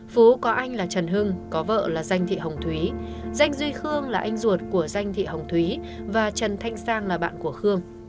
phú có anh là trần hưng có vợ là danh thị hồng thúy danh duy khương là anh ruột của danh thị hồng thúy và trần thanh sang là bạn của khương